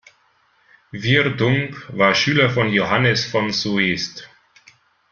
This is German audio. Virdung war Schüler von Johannes von Soest.